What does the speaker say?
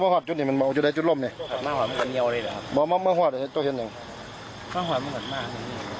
มันแต่จะหลบนี้มันหวัดมันหวัดมาก